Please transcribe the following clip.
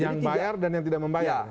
yang bayar dan yang tidak membayar